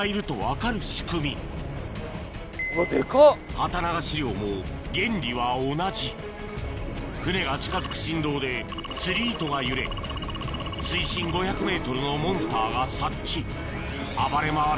旗流し漁も原理は同じ船が近づく振動で釣り糸が揺れ水深５００ｍのモンスターが察知暴れ回る